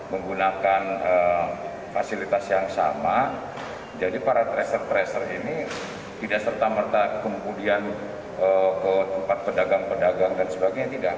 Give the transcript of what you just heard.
menggunakan fasilitas yang sama jadi para tracer tracer ini tidak serta merta kemudian ke tempat pedagang pedagang dan sebagainya tidak